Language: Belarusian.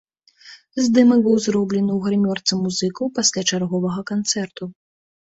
Здымак быў зроблены ў грымёрцы музыкаў пасля чарговага канцэрту.